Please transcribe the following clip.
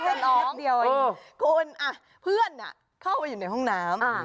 โอ้โหเดี้ยวคุณเพื่อนเข้าไปอยู่ในห้องน้ำ